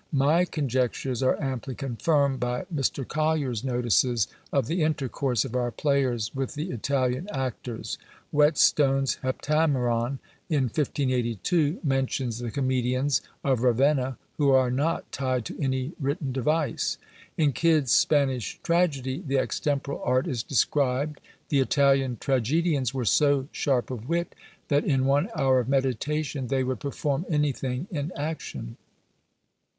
My conjectures are amply confirmed by Mr. Collier's notices of the intercourse of our players with the Italian actors. Whetstone's Heptameron, in 1582, mentions "the comedians of Ravenna, who are not tied to any written device." In Kyd's Spanish Tragedy the extemporal art is described: The Italian tragedians were so sharp of wit, That in one hour of meditation They would perform anything in action.